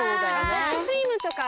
ソフトクリームとか。